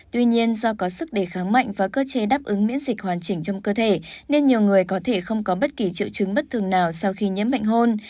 tuy nhiên do có sức đề kháng mạnh và cơ chế đáp ứng miễn dịch hoàn chỉnh trong cơ thể nên nhiều người có thể không có bất kỳ triệu chứng bất thường nào sau khi nhiễm bệnh hô